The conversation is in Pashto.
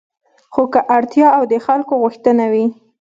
خو که اړتیا او د خلکو غوښتنه وي